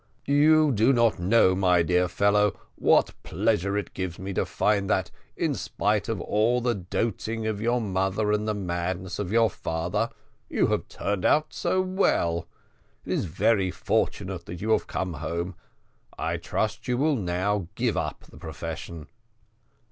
"You do not know, my dear fellow, what pleasure it gives me to find that, in spite of the doting of your mother and the madness of your father, you have turned out so well. It is very fortunate that you have come home; I trust you will now give up the profession."